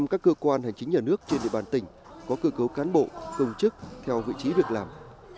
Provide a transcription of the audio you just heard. một trăm linh các cơ quan hành chính nhà nước trên địa bàn tỉnh có cơ cấu cán bộ công chức theo vị trí việc làm